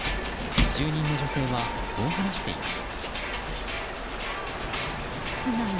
住人の女性はこう話しています。